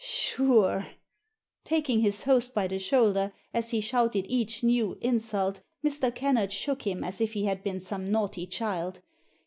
" Sure !" Taking his host by the shoulder, as he shouted each new insult, Mr. Kennard shook him as if he had been some naughty child.